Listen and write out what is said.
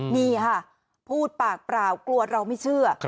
นี่ค่ะพูดปากเปล่ากลัวเราไม่เชื่อ